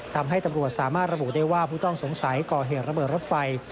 ทำให้ตำรวจสามารถระบุได้ว่าผู้ต้องสงสัยก่อเหตุระเบิดรถไฟ